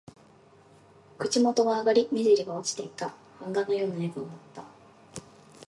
口元は上がり、目じりは落ちていた。版画のような笑顔だった。